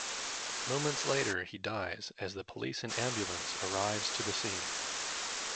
Moments later he dies as the police and ambulance arrives to the scene.